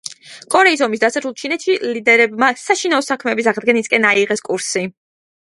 კორეის ომის დასასრულ ჩინეთის ლიდერებმა საშინაო საქმეების აღდგენისკენ აიღეს კურსი.